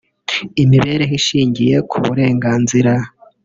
Imibereho ishingiye ku burenganzira